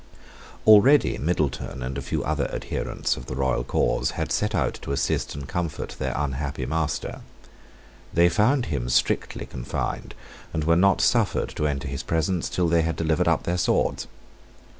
Already Middleton and a few other adherents of the royal cause had set out to assist and comfort their unhappy master. They found him strictly confined, and were not suffered to enter his presence till they had delivered up their swords.